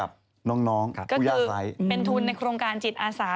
เป็นทุนในโครงการจิตอาสา